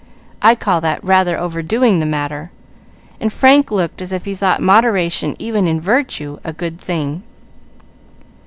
I call that rather overdoing the matter;" and Frank looked as if he thought moderation even in virtue a good thing.